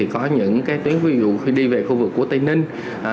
có những tuyến đi về khu vực tây ninh